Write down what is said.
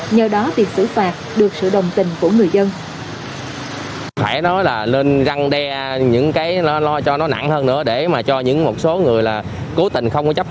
nhờ đó việc xử phạt được sự đồng tình của người dân